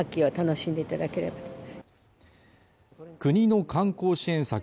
国の観光支援策